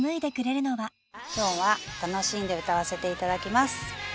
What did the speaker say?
今日は楽しんで歌わせていただきます。